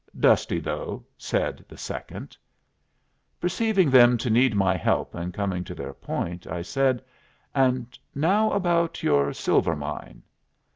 "Dusty though," said the second. Perceiving them to need my help in coming to their point, I said, "And now about your silver mine."